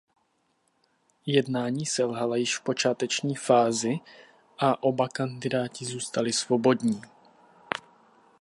Jednání selhala již v počáteční fázi a oba kandidáti zůstali svobodní.